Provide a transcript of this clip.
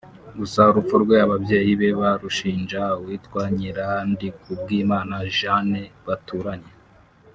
gusa urupfu rwe ababyeyi be barushinja uwitwa Nyirandikubwimana Jeanne baturanye